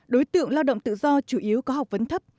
đối tượng lao động tự do chủ yếu có học vấn thấp